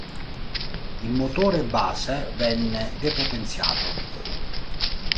Il motore base venne depotenziato.